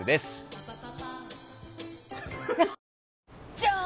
じゃーん！